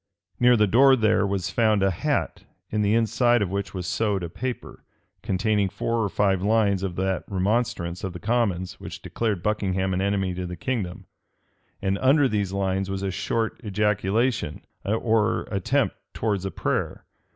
Near the door there was found a hat, in the inside of which was sewed a paper, containing four or five lines of that remonstrance of the commons which declared Buckingham an enemy to the kingdom; and under these lines was a short ejaculation, or attempt towards a prayer.